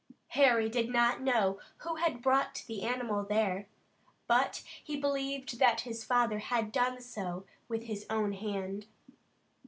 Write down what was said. Harry did not know who had brought the animal there, but he believed that his father had done so with his own hand.